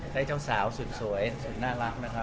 ให้เจ้าสาวสุดสวยสุดน่ารักนะครับ